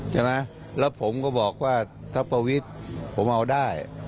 ใช่ไหมแล้วผมก็บอกว่าถ้าประวิทย์ผมเอาได้